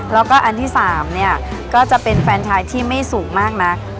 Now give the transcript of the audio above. แล้วก็อันที่๓เนี่ยก็จะเป็นแฟนชายที่ไม่สูงมากนัก